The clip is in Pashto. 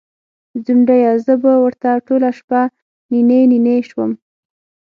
ځونډیه! زه به ورته ټوله شپه نینې نینې شوم